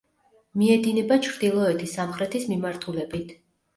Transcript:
მიედინება ჩრდილოეთი-სამხრეთის მიმართულებით.